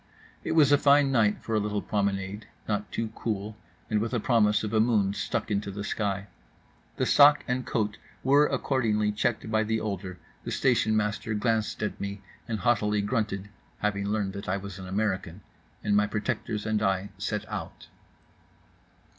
It was a fine night for a little promenade; not too cool, and with a promise of a moon stuck into the sky. The sac and coat were accordingly checked by the older; the station master glanced at me and haughtily grunted (having learned that I was an American); and my protectors and I set out.